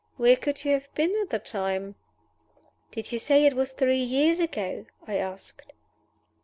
Where could you have been at the time?" "Did you say it was three years ago?" I asked.